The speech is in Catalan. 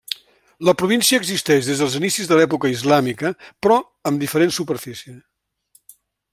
La província existeix des dels inicis de l'època islàmica però amb diferent superfície.